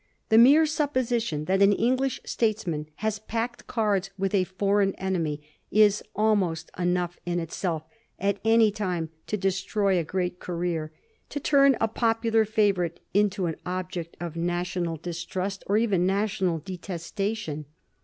The mere supposition that an English states man has packed cards with a foreign enemy is almost enough in itself at any time to destroy a great career; to turn a popular favorite into an object of national distrust 18 A BISTORT OF THE FOUR GEORGES. CB. zxi. or even national detestation.